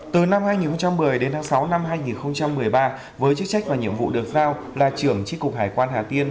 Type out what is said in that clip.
từ năm hai nghìn một mươi đến tháng sáu năm hai nghìn một mươi ba với chức trách và nhiệm vụ được giao là trưởng tri cục hải quan hà tiên